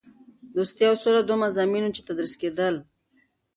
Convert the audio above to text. دوستي او سوله دوه مضامین وو چې تدریس کېدل.